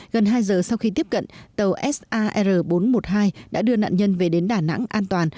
gần hai giờ sau khi tiếp cận tàu sar bốn trăm một mươi hai đã đưa nạn nhân về đến đà nẵng an toàn